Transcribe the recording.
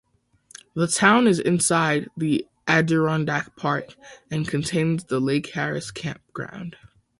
The town is inside the Adirondack Park and contains the Lake Harris Campground.